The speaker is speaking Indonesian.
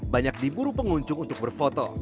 banyak diburu pengunjung untuk berfoto